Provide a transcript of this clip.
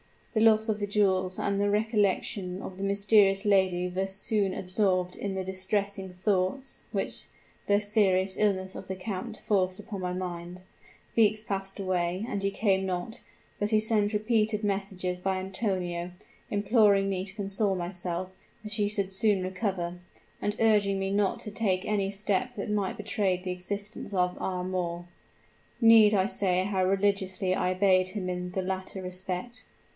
The loss of the jewels and the recollection of the mysterious lady were soon absorbed in the distressing thoughts which the serious illness of the count forced upon my mind. Weeks passed away, and he came not; but he sent repeated messages by Antonio, imploring me to console myself, as he should soon recover, and urging me not to take any step that might betray the existence of our amour. Need I say how religiously I obeyed him in the latter respect?